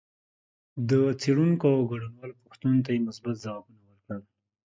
د څېړونکو او ګډونوالو پوښتنو ته یې مثبت ځوابونه ورکړل